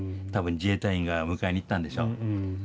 多分自衛隊員が迎えに行ったんでしょう。